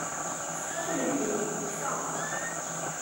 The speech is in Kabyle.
A tneggi! Tekfa!